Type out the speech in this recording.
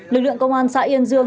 lực lượng công an xã yên dương